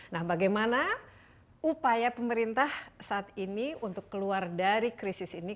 nah bagaimana upaya pemerintah saat ini untuk keluar dari krisis ini